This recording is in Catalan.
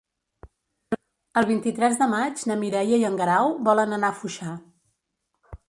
El vint-i-tres de maig na Mireia i en Guerau volen anar a Foixà.